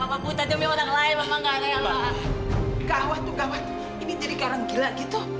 mama gawat tuh gawat ini jadi karang gila gitu